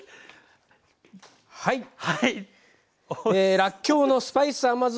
らっきょうのスパイス甘酢